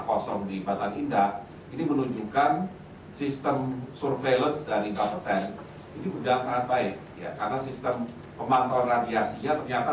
bambang juga memuji kinerja badan tenaga nuklir yang telah mendeteksi paparan radioaktif